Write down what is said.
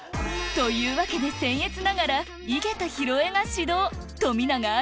というわけでせんえつながら井桁弘恵が指導冨永愛